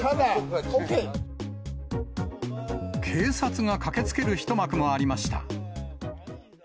警察が駆けつける一幕もありました。